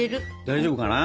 大丈夫かな？